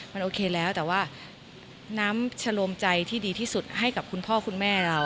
มันโอเคแล้วแต่ว่าน้ำชะโลมใจที่ดีที่สุดให้กับคุณพ่อคุณแม่เรา